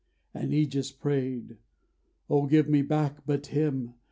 And Ægeus prayed: 'O give me back but him!